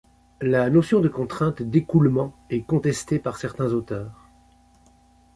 La notion de contrainte d'écoulement est contestée par certains auteurs.